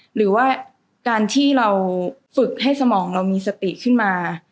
หรือว่าการที่เราฝึกให้สมองเรามีสติขึ้นมา